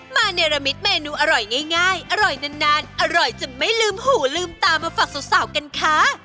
เนรมิตเมนูอร่อยง่ายอร่อยนานอร่อยจนไม่ลืมหูลืมตามาฝากสาวกันค่ะ